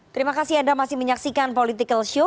terima kasih anda masih menyaksikan political show